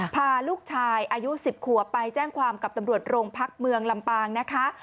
พาลูกชายอายุ๑๐ขัวไปแจ้งความกับตำรวจโรงพักเมืองลำปางนะคะ